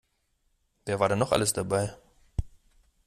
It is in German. Wer war denn noch alles dabei?